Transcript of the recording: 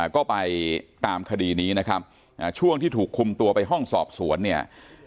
ก็ไปตามคดีนี้นะครับช่วงที่ถูกคุมตัวไปห้องสอบสวนเนี่ย